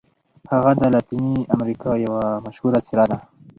هغه د لاتیني امریکا یوه مشهوره څیره ده.